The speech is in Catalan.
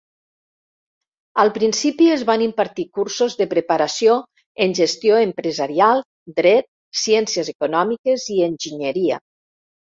Al principi, es van impartir cursos de preparació en gestió empresarial, dret, ciències econòmiques i enginyeria.